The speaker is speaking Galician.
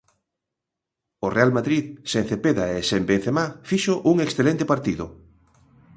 O Real Madrid, sen Cepeda e sen Benzemá, fixo un excelente partido.